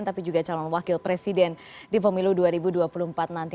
tapi juga calon wakil presiden di pemilu dua ribu dua puluh empat nanti